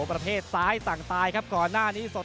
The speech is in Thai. ประเภทซ้ายสั่งตายครับก่อนหน้านี้สด